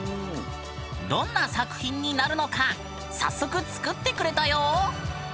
どんな作品になるのか早速作ってくれたよ！